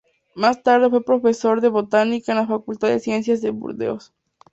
Más tarde fue profesor de botánica en la Facultad de Ciencias de Burdeos.